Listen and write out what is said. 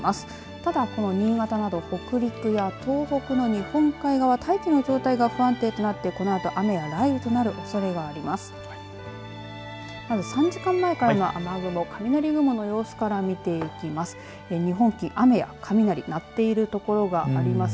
ただ、新潟など北陸や東北の日本海側、大気の状態が不安定となってこのあと、雨や雷雨となるおそれがあります。